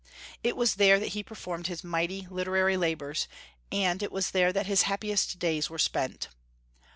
It was there that he performed his mighty literary labors, and it was there that his happiest days were spent.